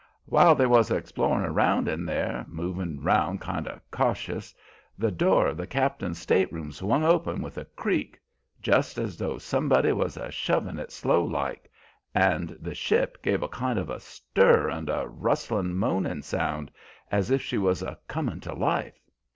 While they was explorin' round in there, movin' round kind o' cautious, the door of the cap'n's stateroom swung open with a creak, just's though somebody was a shovin' it slow like, and the ship give a kind of a stir and a rustlin', moanin' sound, as if she was a comin' to life.